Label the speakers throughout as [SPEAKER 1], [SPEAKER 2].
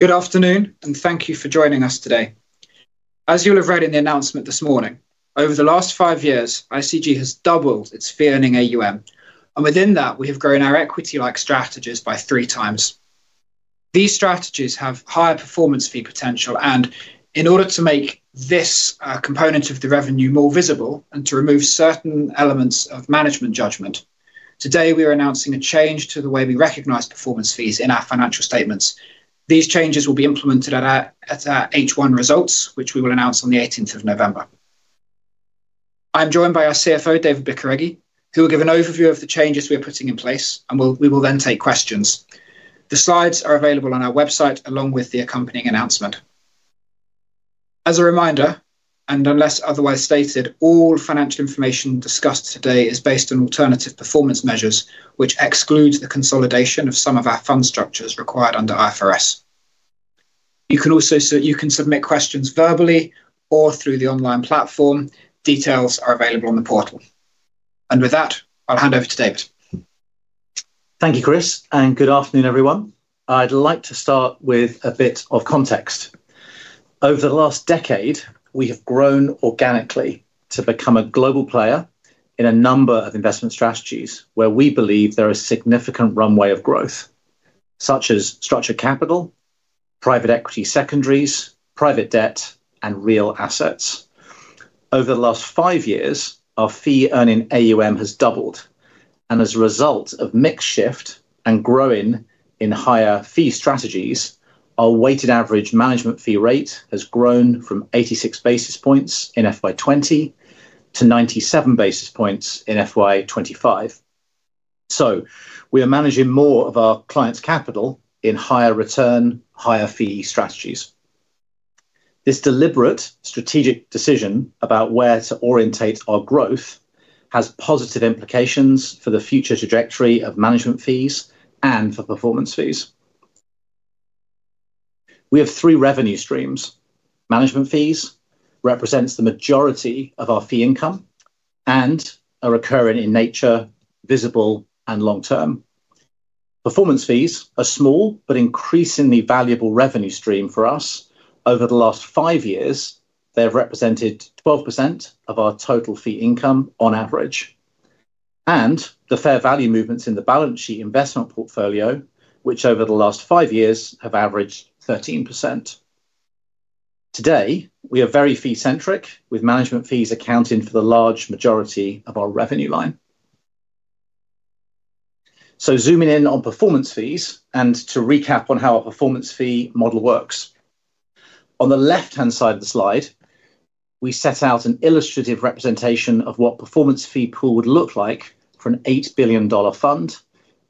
[SPEAKER 1] Good afternoon, and thank you for joining us today. As you'll have read in the announcement this morning, over the last five years, ICG has doubled its fee-earning AUM, and within that, we have grown our equity-like strategies by 3x. These strategies have higher performance fee potential, and in order to make this component of the revenue more visible and to remove certain elements of management judgment, today we are announcing a change to the way we recognize performance fees in our financial statements. These changes will be implemented at our H1 results, which we will announce on the 18th of November. I'm joined by our CFO, David Bicarregui, who will give an overview of the changes we are putting in place, and we will then take questions. The slides are available on our website, along with the accompanying announcement. As a reminder, and unless otherwise stated, all financial information discussed today is based on alternative performance measures, which excludes the consolidation of some of our fund structures required under IFRS. You can also submit questions verbally or through the online platform. Details are available on the portal. With that, I'll hand over to David.
[SPEAKER 2] Thank you, Chris, and good afternoon, everyone. I'd like to start with a bit of context. Over the last decade, we have grown organically to become a global player in a number of investment strategies where we believe there is significant runway of growth, such as structured capital, private equity secondaries, private debt, and real assets. Over the last five years, our fee-earning AUM has doubled, and as a result of mix shift and growing in higher fee strategies, our weighted average management fee rate has grown from 86 basis points in FY 2020 to 97 basis points in FY 2025. We are managing more of our clients' capital in higher return, higher fee strategies. This deliberate strategic decision about where to orientate our growth has positive implications for the future trajectory of management fees and for performance fees. We have three revenue streams: management fees represent the majority of our fee income, and are recurring in nature, visible, and long-term. Performance fees are a small but increasingly valuable revenue stream for us. Over the last five years, they have represented 12% of our total fee income on average, and the fair value movements in the balance sheet investment portfolio, which over the last five years have averaged 13%. Today, we are very fee-centric, with management fees accounting for the large majority of our revenue line. Zooming in on performance fees and to recap on how our performance fee model works. On the left-hand side of the slide, we set out an illustrative representation of what the performance fee pool would look like for an $8 billion fund,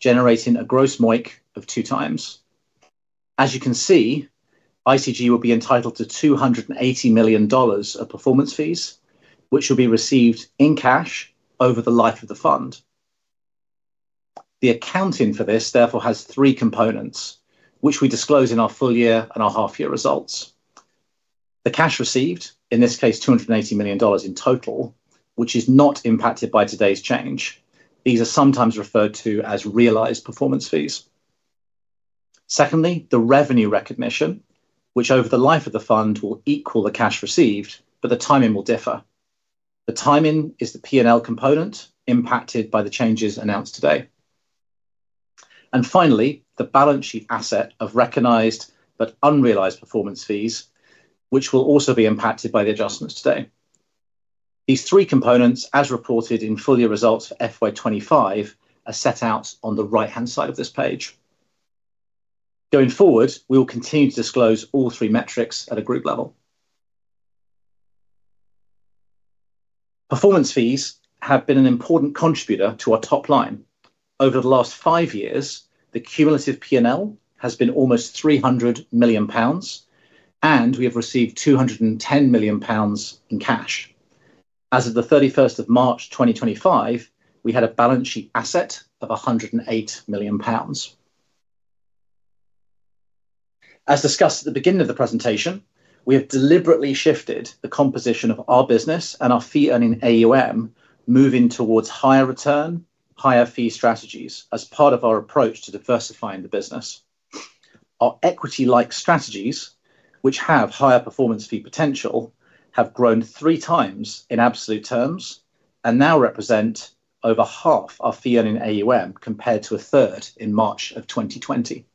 [SPEAKER 2] generating a gross MOIC of 2x. As you can see, ICG will be entitled to $280 million of performance fees, which will be received in cash over the life of the fund. The accounting for this, therefore, has three components, which we disclose in our full-year and our half-year results. The cash received, in this case, $280 million in total, which is not impacted by today's change. These are sometimes referred to as realized performance fees. Secondly, the revenue recognition, which over the life of the fund will equal the cash received, but the timing will differ. The timing is the P&L component impacted by the changes announced today. Finally, the balance sheet asset of recognized but unrealized performance fees, which will also be impacted by the adjustments today. These three components, as reported in full-year results FY 025, are set out on the right-hand side of this page. Going forward, we will continue to disclose all three metrics at a group level. Performance fees have been an important contributor to our top line. Over the last five years, the cumulative P&L has been almost 300 million pounds, and we have received 210 million pounds in cash. As of the 31st of March 2025, we had a balance sheet asset of 108 million pounds. As discussed at the beginning of the presentation, we have deliberately shifted the composition of our business and our fee-earning AUM, moving towards higher return, higher fee strategies as part of our approach to diversifying the business. Our equity-like strategies, which have higher performance fee potential, have grown 3x in absolute terms and now represent over half our fee-earning AUM compared to a third in March of 2020.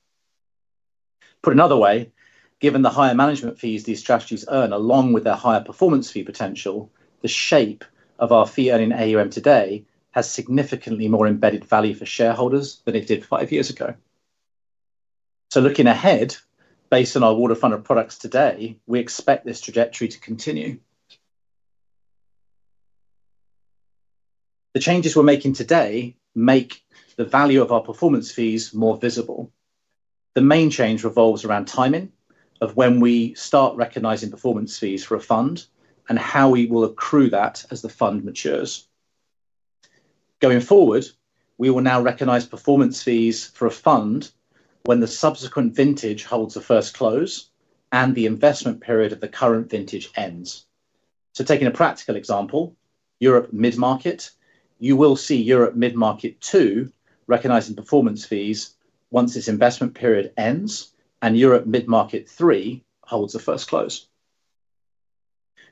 [SPEAKER 2] Put another way, given the higher management fees these strategies earn, along with their higher performance fee potential, the shape of our fee-earning AUM today has significantly more embedded value for shareholders than it did five years ago. Looking ahead, based on our water fund of products today, we expect this trajectory to continue. The changes we're making today make the value of our performance fees more visible. The main change revolves around timing of when we start recognizing performance fees for a fund and how we will accrue that as the fund matures. Going forward, we will now recognize performance fees for a fund when the subsequent vintage holds the first close and the investment period of the current vintage ends. Taking a practical example, Europe Mid-Market, you will see Europe Mid-Market II recognizing performance fees once its investment period ends and Europe Mid-Market III holds the first close.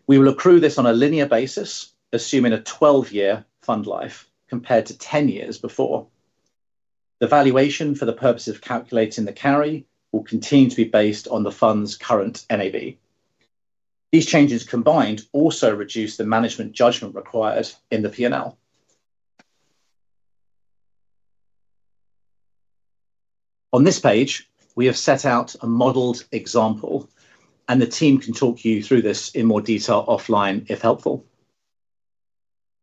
[SPEAKER 2] We will accrue this on a linear basis, assuming a 12-year fund life compared to 10 years before. The valuation for the purpose of calculating the carry will continue to be based on the fund's current NAV. These changes combined also reduce the management judgment required in the P&L. On this page, we have set out a modeled example, and the team can talk you through this in more detail offline, if helpful.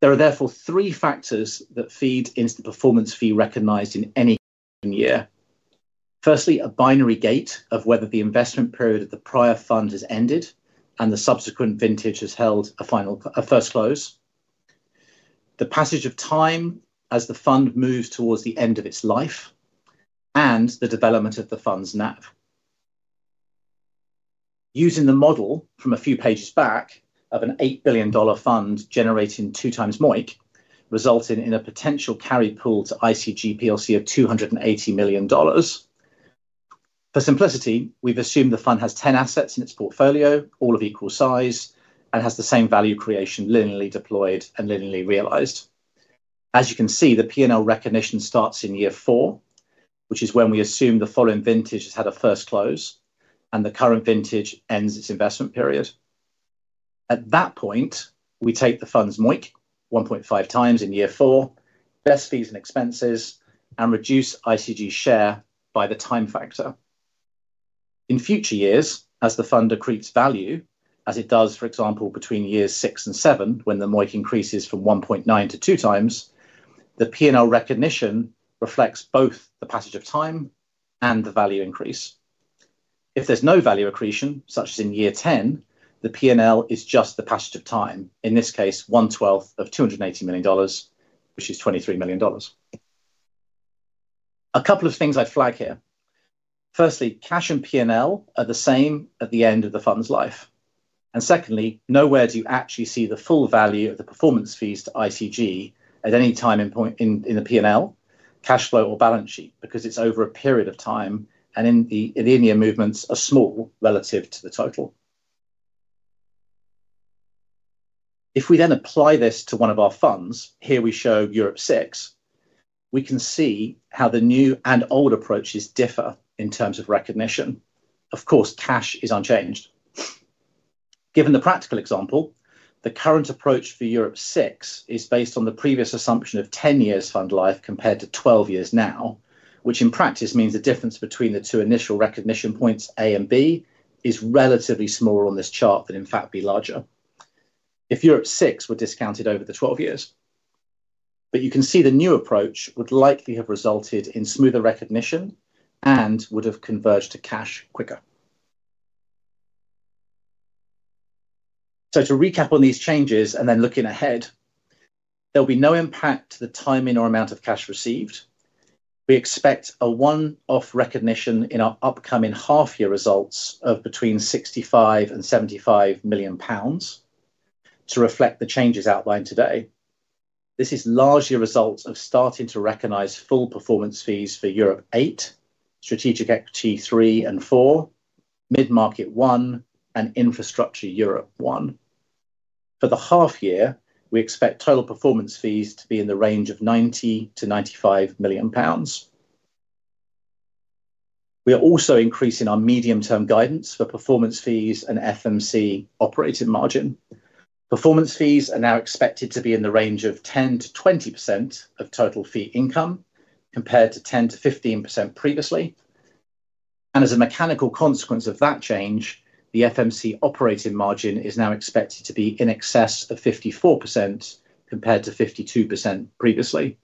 [SPEAKER 2] There are therefore three factors that feed into the performance fee recognized in any given year. Firstly, a binary gate of whether the investment period of the prior fund has ended and the subsequent vintage has held a first close. The passage of time as the fund moves towards the end of its life and the development of the fund's NAV. Using the model from a few pages back of an $8 billion fund generating two times MOIC, resulting in a potential carry pool to ICG plc of $280 million. For simplicity, we've assumed the fund has 10 assets in its portfolio, all of equal size, and has the same value creation linearly deployed and linearly realized. As you can see, the P&L recognition starts in year four, which is when we assume the following vintage has had a first close and the current vintage ends its investment period. At that point, we take the fund's MOIC 1.5x in year four, best fees and expenses, and reduce ICG's share by the time factor. In future years, as the fund accretes value, as it does, for example, between years six and seven, when the MOIC increases from 1.9x to 2x, the P&L recognition reflects both the passage of time and the value increase. If there's no value accretion, such as in year 10, the P&L is just the passage of time, in this case, one-twelfth of $280 million, which is $23 million. A couple of things I'd flag here. Firstly, cash and P&L are the same at the end of the fund's life. Secondly, nowhere do you actually see the full value of the performance fees to ICG at any time in the P&L, cash flow, or balance sheet, because it's over a period of time and in the linear movements are small relative to the total. If we then apply this to one of our funds, here we show Europe VI, we can see how the new and old approaches differ in terms of recognition. Of course, cash is unchanged. Given the practical example, the current approach for Europe VI is based on the previous assumption of 10 years fund life compared to 12 years now, which in practice means the difference between the two initial recognition points, A and B, is relatively smaller on this chart than, in fact, be larger. If Europe VI were discounted over the 12 years, you can see the new approach would likely have resulted in smoother recognition and would have converged to cash quicker. To recap on these changes and then looking ahead, there'll be no impact to the timing or amount of cash received. We expect a one-off recognition in our upcoming half-year results of between 65 million and 75 million pounds to reflect the changes outlined today. This is largely a result of starting to recognize full performance fees for Europe VII, Strategic Equity III and IV, Mid-Market I, and Infrastructure Europe I. For the half-year, we expect total performance fees to be in the range of 90 million-95 million pounds. We are also increasing our medium-term guidance for performance fees and FMC operating margin. Performance fees are now expected to be in the range of 10%- 20% of total fee income compared to 10%-15% previously. As a mechanical consequence of that change, the FMC operating margin is now expected to be in excess of 54% compared to 52% previously.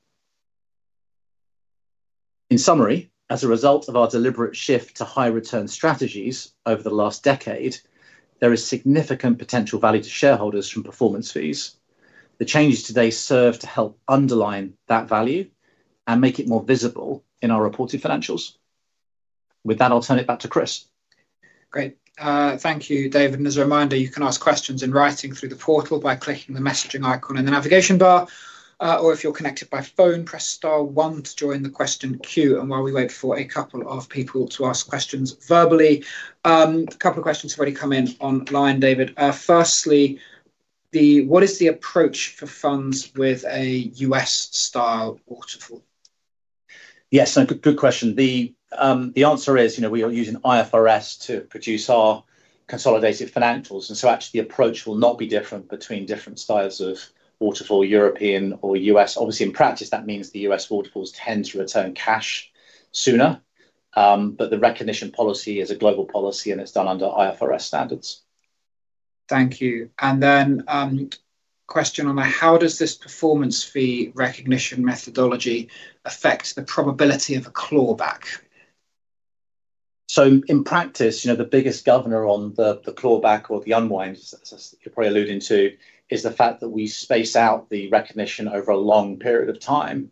[SPEAKER 2] In summary, as a result of our deliberate shift to higher return strategies over the last decade, there is significant potential value to shareholders from performance fees. The changes today serve to help underline that value and make it more visible in our reported financials. With that, I'll turn it back to Chris. Great. Thank you, David. As a reminder, you can ask questions in writing through the portal by clicking the messaging icon in the navigation bar. If you're connected by phone, press star one to join the question queue. While we wait for a couple of people to ask questions verbally, a couple of questions have already come in online, David. Firstly, what is the approach for funds with a U.S.-style waterfall? Yes, good question. The answer is, you know, we are using IFRS to produce our consolidated financials. Actually, the approach will not be different between different styles of waterfall European or U.S. Obviously, in practice, that means the U.S. waterfalls tend to return cash sooner. The recognition policy is a global policy, and it's done under IFRS standards. Thank you. A question on how does this performance fee recognition methodology affect the probability of a clawback? In practice, you know, the biggest governor on the clawback or the unwind, as you're probably alluding to, is the fact that we space out the recognition over a long period of time.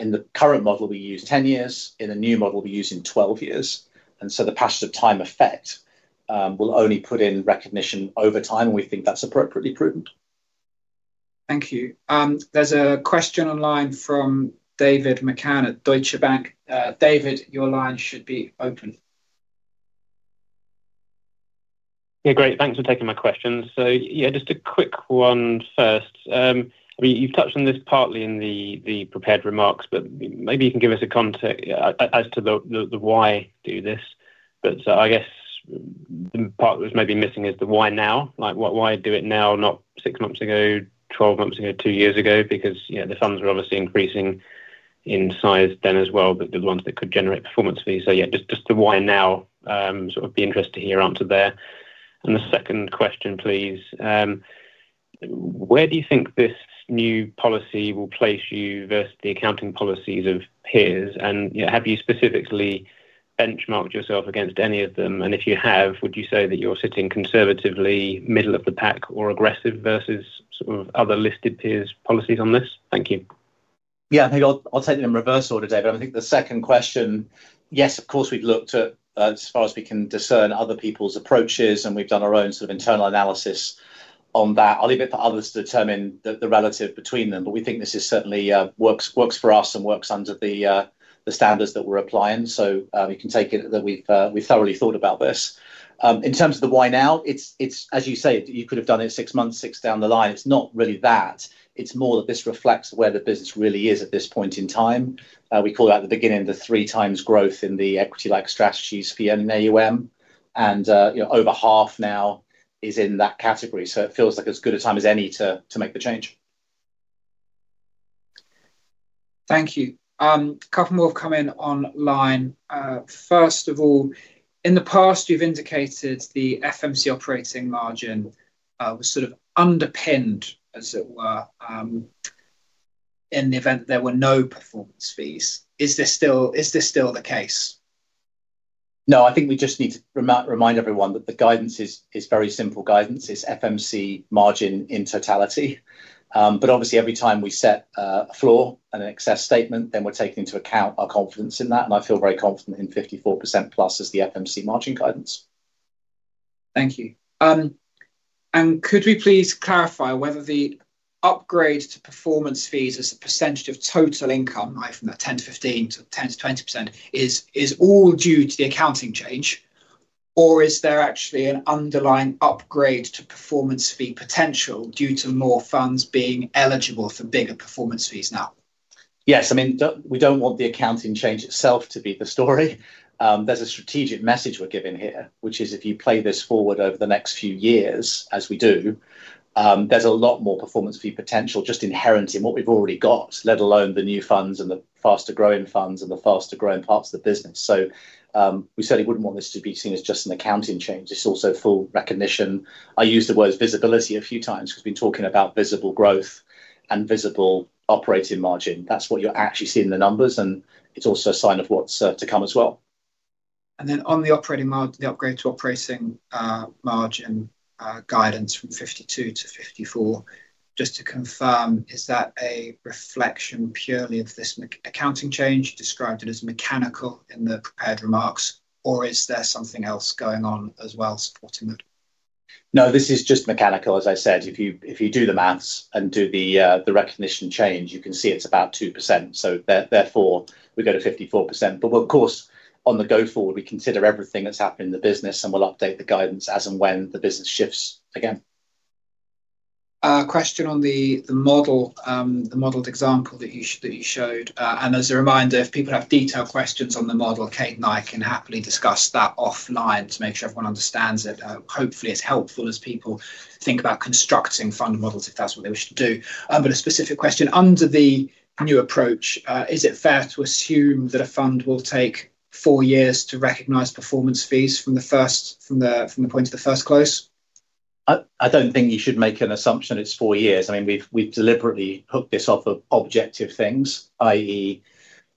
[SPEAKER 2] In the current model, we use 10 years. In a new model, we're using 12 years. The passage-of-time effect will only put in recognition over time, and we think that's appropriately prudent. Thank you. There's a question online from David McCann at Deutsche Bank. David, your line should be open.
[SPEAKER 3] Yeah, great. Thanks for taking my question. Just a quick one first. You've touched on this partly in the prepared remarks, but maybe you can give us a context as to the why do this. I guess the part that was maybe missing is the why now. Like, why do it now, not six months ago, 12 months ago, two years ago? The funds were obviously increasing in size then as well, but the ones that could generate performance fees. Just the why now. Sort of be interested to hear answer there. The second question, please. Where do you think this new policy will place you versus the accounting policies of peers? Have you specifically benchmarked yourself against any of them? If you have, would you say that you're sitting conservatively, middle of the pack, or aggressive versus other listed peers' policies on this? Thank you.
[SPEAKER 2] Yeah, I think I'll take it in reverse order, David. I think the second question, yes, of course, we've looked at, as far as we can discern, other people's approaches, and we've done our own sort of internal analysis on that. I'll leave it for others to determine the relative between them, but we think this certainly works for us and works under the standards that we're applying. We can take it that we've thoroughly thought about this. In terms of the why now, it's, as you say, you could have done it six months, six down the line. It's not really that. It's more that this reflects where the business really is at this point in time. We call it at the beginning the 3x growth in the equity-like strategies fee-earning AUM, and over half now is in that category. It feels like as good a time as any to make the change. Thank you. A couple more have come in online. First of all, in the past, you've indicated the FMC operating margin was sort of underpinned, as it were, in the event there were no performance fees. Is this still the case? No, I think we just need to remind everyone that the guidance is very simple. Guidance is FMC margin in totality. Obviously, every time we set a floor and an excess statement, we're taking into account our confidence in that. I feel very confident in 54%+ as the FMC margin guidance. Thank you. Could we please clarify whether the upgrade to performance fees as a percentage of total income, i.e., from that 10%-15% to 10% -20%, is all due to the accounting change, or is there actually an underlying upgrade to performance fee potential due to more funds being eligible for bigger performance fees now? Yes, I mean, we don't want the accounting change itself to be the story. There's a strategic message we're giving here, which is if you play this forward over the next few years, as we do, there's a lot more performance fee potential just inherent in what we've already got, let alone the new funds and the faster growing funds and the faster growing parts of the business. We certainly wouldn't want this to be seen as just an accounting change. It's also full recognition. I used the words visibility a few times because we've been talking about visible growth and visible operating margin. That's what you're actually seeing in the numbers, and it's also a sign of what's to come as well. On the operating margin, the upgrade to operating margin guidance from 52% to 54%, just to confirm, is that a reflection purely of this accounting change? You described it as mechanical in the prepared remarks, or is there something else going on as well supporting them? No, this is just mechanical. As I said, if you do the maths and do the recognition change, you can see it's about 2%. Therefore, we go to 54%. Of course, on the go forward, we consider everything that's happened in the business, and we'll update the guidance as and when the business shifts again. Question on the model, the modeled example that you showed. As a reminder, if people have detailed questions on the model, Kate and I can happily discuss that offline to make sure everyone understands it. Hopefully, as helpful as people think about constructing fund models, if that's what they wish to do. A specific question under the new approach, is it fair to assume that a fund will take four years to recognize performance fees from the point of the first close? I don't think you should make an assumption it's four years. We've deliberately hooked this off of objective things, i.e.,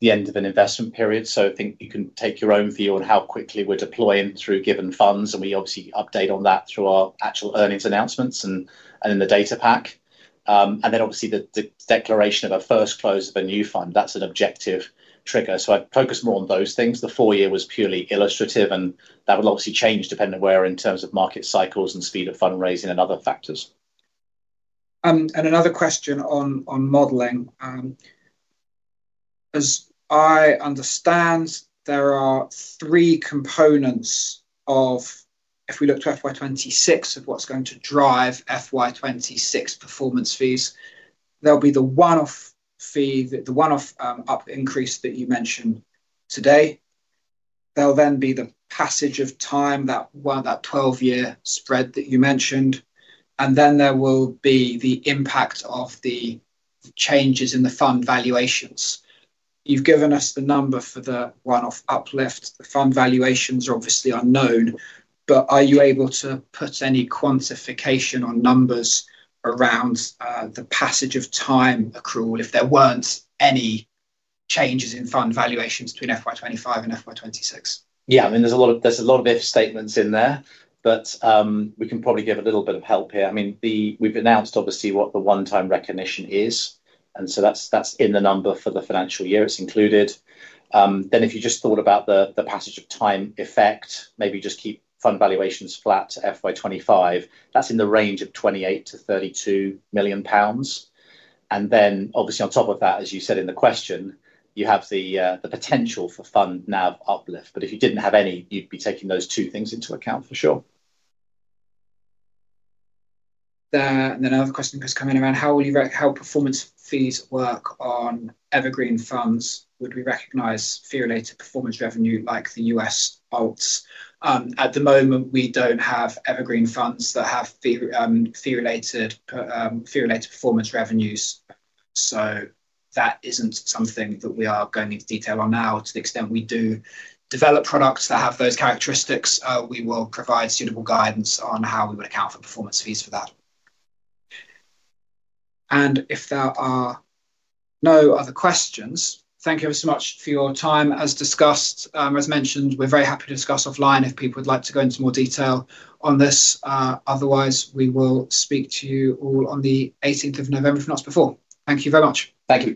[SPEAKER 2] the end of an investment period. I think you can take your own view on how quickly we're deploying through given funds, and we obviously update on that through our actual earnings announcements and in the data pack. The declaration of a first close of a new fund, that's an objective trigger. I'd focus more on those things. The four-year was purely illustrative, and that will obviously change depending on where in terms of market cycles and speed of fundraising and other factors. If we look to FY 2026, there are three components of what's going to drive FY 2026 performance fees. There will be the one-off fee, the one-off uplift increase that you mentioned today. There will then be the passage of time, that 12-year spread that you mentioned. There will also be the impact of the changes in the fund valuations. You've given us the number for the one-off uplift. The fund valuations are obviously unknown, but are you able to put any quantification on numbers around the passage-of-time accrual if there weren't any changes in fund valuations between FY 2025 and FY 2026? Yeah, I mean, there's a lot of if statements in there, but we can probably give a little bit of help here. We've announced obviously what the one-time recognition is, and so that's in the number for the financial year. It's included. If you just thought about the passage-of-time effect, maybe just keep fund valuations flat to FY 2025, that's in the range of 28 million-32 million pounds. Obviously, on top of that, as you said in the question, you have the potential for fund NAV uplift. If you didn't have any, you'd be taking those two things into account for sure. Another question has come in around how performance fees work on evergreen funds. Would we recognize fee-related performance revenue like the U.S. alts? At the moment, we don't have evergreen funds that have fee-related performance revenues, so that isn't something that we are going into detail on now. To the extent we do develop products that have those characteristics, we will provide suitable guidance on how we would account for performance fees for that. If there are no other questions, thank you ever so much for your time. As discussed, as mentioned, we're very happy to discuss offline if people would like to go into more detail on this. Otherwise, we will speak to you all on the 18th of November, if not before. Thank you very much. Thank you.